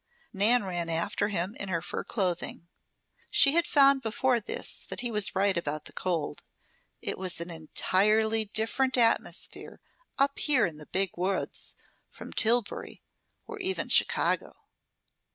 Nan ran after him in her fur clothing. She had found before this that he was right about the cold. It was an entirely different atmosphere up here in the Big Woods from Tillbury, or even Chicago.